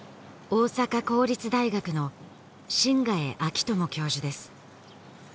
大阪公立大学の新ヶ江章友教授です